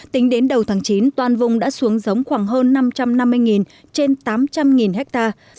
tính đến đầu tháng chín toàn vùng đã xuống giống khoảng hơn năm trăm năm mươi trên tám trăm linh hectare